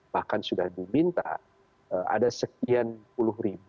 bahkan sudah diminta ada sekian puluh ribu